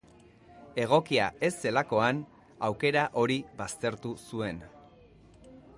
Egokia ez zelakoan, aukera hori baztertu zuen.